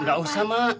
enggak usah mak